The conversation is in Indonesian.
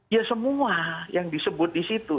ya semua yang disebut di situ